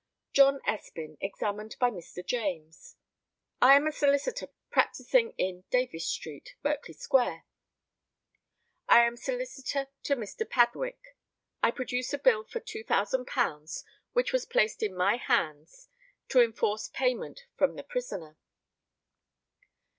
JOHN ESPIN, examined by MR. JAMES. I am a solicitor practising in Davies street, Berkeley square. I am solicitor to Mr. Padwick. I produce a bill for £2,000 which was placed in my hands to enforce payment from the prisoner.